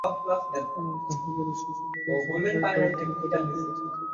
এবং তাঁহার গুরু শশীবাবুর সাংসারিক দারিদ্র্যের কথা লিখিতেছেন।